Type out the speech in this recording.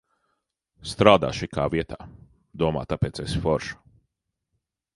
Strādā šikā vietā, domā, tāpēc esi forša.